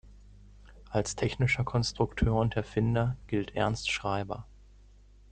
Als technischer Konstrukteur und Erfinder gilt Ernst Schreiber.